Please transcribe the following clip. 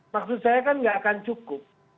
maksud saya kan nggak akan cukup